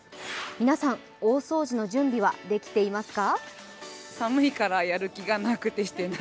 皆さん、大掃除の準備はできていますか？